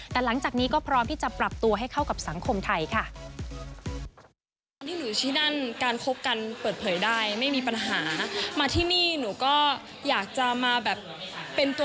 แต่หลังจากนี้ก็พร้อมที่จะปรับตัวให้เข้ากับสังคมไทยค่ะ